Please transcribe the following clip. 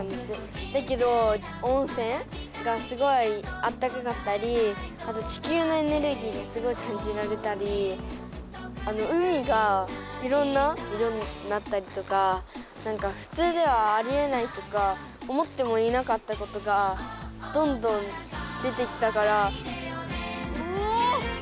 だけど温泉がすごいあったかかったりあと地球のエネルギーがすごい感じられたりあの海がいろんな色になったりとかなんかふつうではありえないとか思ってもいなかったことがどんどん出てきたから。